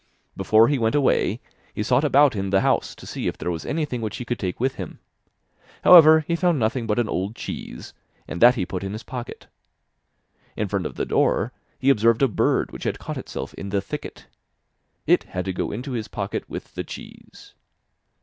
Before he went away, he sought about in the house to see if there was anything which he could take with him; however, he found nothing but an old cheese, and that he put in his pocket. In front of the door he observed a bird which had caught itself in the thicket. It had to go into his pocket with the cheese.